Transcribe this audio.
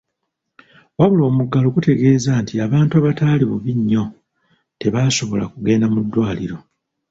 Wabula omuggalo gutegeeza nti abantu abataali bubi nnyo tebaasabola kugenda mu ddwaliro.